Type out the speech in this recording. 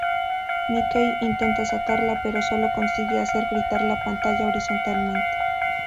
Mickey intenta sacarla, pero solo consigue hacer girar la pantalla horizontalmente.